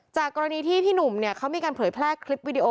จากกรณีที่พี่หนุ่มเนี่ยเขามีการเผยแพร่คลิปวิดีโอ